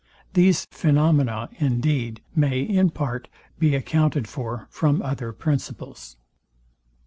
These phaenomena, indeed, may in part be accounted for from other principles.